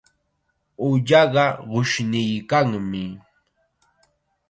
Ullaqa qushniykanmi.